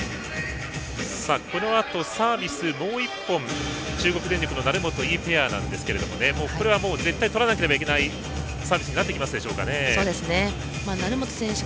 このあとサービスもう１本中国電力の成本、井ペアなんですがこれはもう絶対取らなければならないサービスになってきますでしょうか。